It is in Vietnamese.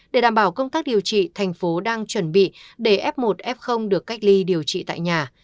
để đảm bảo công tác điều trị thành phố đang chuẩn bị để f một f được cách ly điều trị tại nhà